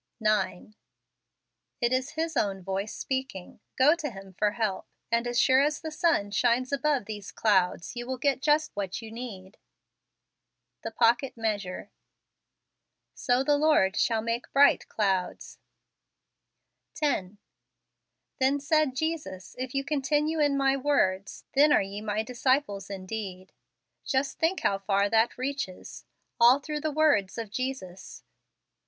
9. It is His own voice speaking. Go to Him for help, and as sure as the sun shines above these clouds you will get just what you need. The Pocket Measure. " So the Lord shall make bright clouds ." FEBRUARY. 19 10. ' Then said Jesus, If ye continue in my words, then are ye my disciples in¬ deed." Just think how far that reaches! All through the words of Jesus.